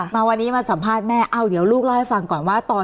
มาวันนี้มาสัมภาษณ์แม่เอาเดี๋ยวลูกเล่าให้ฟังก่อนว่าตอน